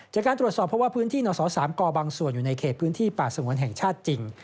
จากการตรวจสอบเพราะว่าพื้นที่นศ๓กบางส่วนอยู่ในเขตพื้นที่ป่าสงวนแห่งชาติจริง